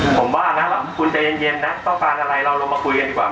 ผมว่านะแหละคุณจะเย็นนะต้องการอะไรเรามาคุยกันดีกว่าไหม